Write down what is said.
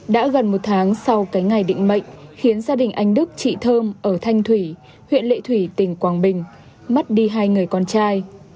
đã gần một tháng sau cái ngày định mệnh khiến gia đình anh đức chị thơm ở thanh thủy huyện lệ thủy tỉnh quảng bình mất đi hai người con trai